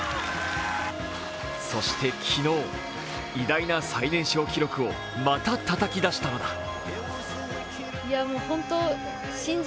そして昨日、偉大な最年少記録をまたたたき出したのだ。